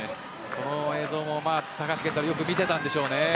この映像も、高橋健太郎よく見ていたんでしょうね。